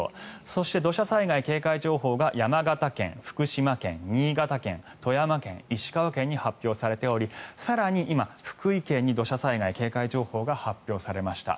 そして、土砂災害警戒情報が山形県、福島県、新潟県富山県、石川県に発表されており更に今、福井県に土砂災害警戒情報が発表されました。